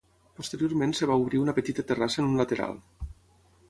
Posteriorment es va obrir una petita terrassa en un lateral.